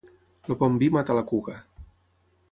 El bon vi mata la cuca.